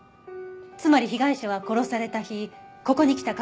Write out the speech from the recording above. つまり被害者は殺された日ここに来た可能性がある。